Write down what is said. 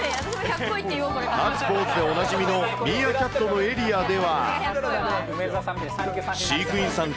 立つポーズでおなじみの、ミーアキャットのエリアでは。